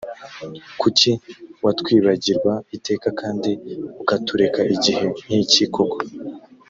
kuki watwibagirwa iteka kandi ukatureka igihe nkiki koko?